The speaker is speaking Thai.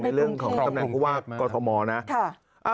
ในเรื่องของตำแหน่งกรุงศาลมอล์นะ